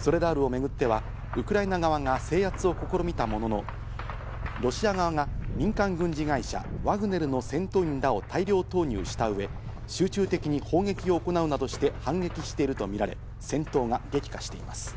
ソレダールをめぐっては、ウクライナ側が制圧を試みたものの、ロシア側が民間軍事会社・ワグネルの戦闘員らを大量投入したうえ、集中的に砲撃を行うなどして反撃しているとみられ、戦闘が激化しています。